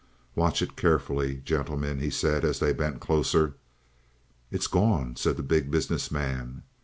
"Watch it carefully, gentlemen," he said, as they bent closer. "It's gone," said the Big Business Man.